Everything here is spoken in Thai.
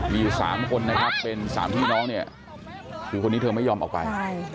มี๓คนนะครับเป็น๓พี่น้องเนี่ยคือคนนี้เธอไม่ยอมออกไป